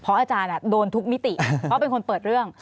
อาจารย์โดนทุกมิติเพราะเป็นคนเปิดเรื่อง